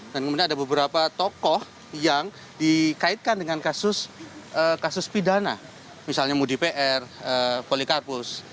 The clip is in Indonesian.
dan kemudian ada beberapa tokoh yang dikaitkan dengan kasus pidana misalnya mudi pr polikarpus